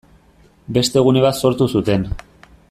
Beste gune bat sortu zuten.